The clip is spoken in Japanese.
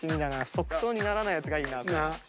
即答にならないやつがいいな。